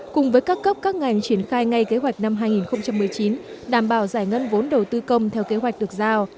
cùng với các cấp các ngành triển khai ngay kế hoạch năm hai nghìn một mươi chín đảm bảo giải ngân vốn đầu tư công theo kế hoạch được giao